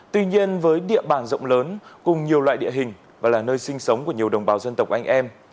tuy nhiên với địa bàn rộng lớn cùng nhiều loại địa hình và là nơi sinh sống của nhiều đồng bào dân tộc anh em